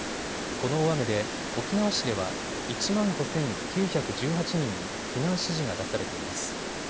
この大雨で沖縄市では１万５９１８人に避難指示が出されています。